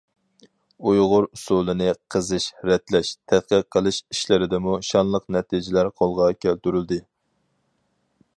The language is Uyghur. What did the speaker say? ئۇيغۇر ئۇسسۇلىنى قېزىش، رەتلەش، تەتقىق قىلىش ئىشلىرىدىمۇ شانلىق نەتىجىلەر قولغا كەلتۈرۈلدى.